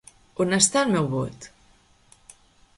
On està el meu vot?